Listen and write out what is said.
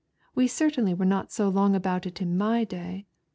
We certa, inly were not so long ahont it in my day.